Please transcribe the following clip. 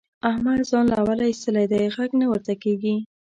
احمد ځان له اوله اېستلی دی؛ غږ نه ورته کېږي.